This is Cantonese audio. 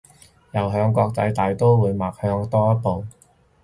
又向國際大刀會邁向多一步